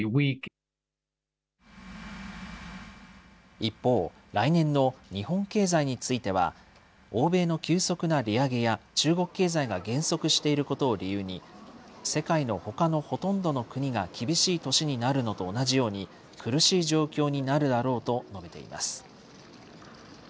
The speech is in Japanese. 一方、来年の日本経済については、欧米の急速な利上げや中国経済が減速していることを理由に、世界のほかのほとんどの国が厳しい年になるのと同じように、苦しい状況になるだろうと述べています。